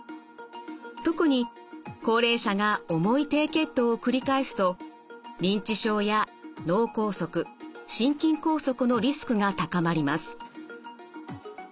特に高齢者が重い低血糖を繰り返すと認知症や脳梗塞心筋梗塞のリスクが高まります。